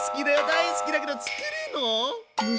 大好きだけど作るの？